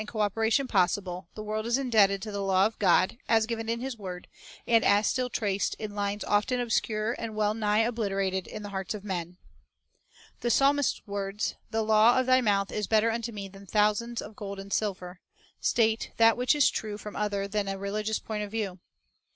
Best Capital Business Principles and Method's 137 and co operation possible, the world is indebted to the law of God, as given in His word, and as still traced, in lines often obscure and well nigh obliterated, in the hearts of men. The psalmist's words, " The law of Thy mouth is better unto me than thousands of gold and silver," 1 state that which is true from other than a religious point of view.